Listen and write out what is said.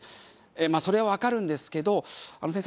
まあそれはわかるんですけど先生